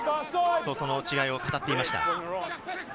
その違いを語っていました。